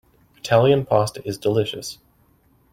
Italian Pasta is delicious.